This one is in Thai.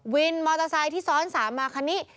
วินมอเตอร์ไซค์ที่ซ้อน๓มาคันนี้